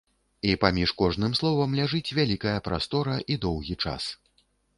І паміж кожным словам ляжыць вялікая прастора і доўгі час.